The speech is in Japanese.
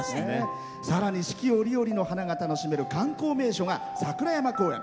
さらに四季折々の花が楽しめる観光名所が桜山公園。